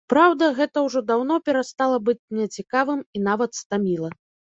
Праўда, гэта ўжо даўно перастала быць мне цікавым і нават стаміла.